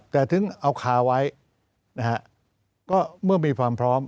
แต่ถึงเอาคาไว้นะฮะก็เมื่อมีความพร้อม